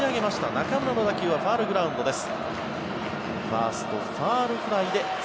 中村の打球はファウルグラウンドです。